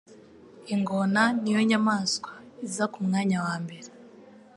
Ingona ni yo nyamaswa iza ku mwanya wa mbere